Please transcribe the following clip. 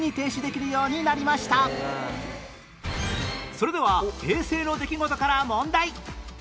それでは平成の出来事から問題